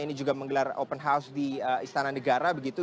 ini juga menggelar open house di istana negara begitu